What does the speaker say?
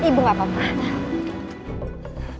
ibu gak apa apa